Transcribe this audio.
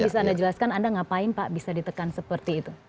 bisa anda jelaskan anda ngapain pak bisa ditekan seperti itu